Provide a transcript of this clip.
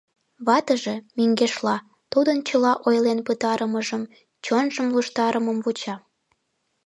Ватыже, мӧҥгешла, тудын чыла ойлен пытарымыжым, чонжым луштарымым вуча.